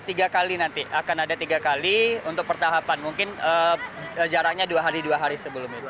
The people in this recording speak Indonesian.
tiga kali nanti akan ada tiga kali untuk pertahapan mungkin jaraknya dua hari dua hari sebelumnya